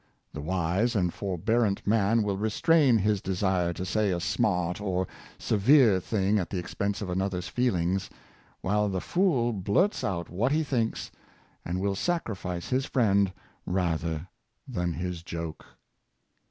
The wise and forbearant man will restrain his desire to say a smart or severe thing at the expense of another's feelings; while the fool blurts out what he thinks, and will sacrifice his friend rather than his joke.